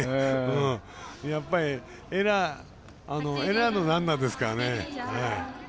エラーのランナーですからね。